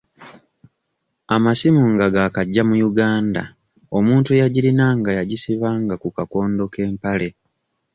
Amasimu nga gaakajja mu Uganda omuntu eyagirinanga yagisibanga ku kakondo k'empale.